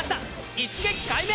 一撃解明！